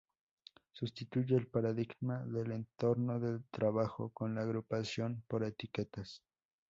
Sustituye el paradigma del entorno de trabajo con la agrupación por etiquetas.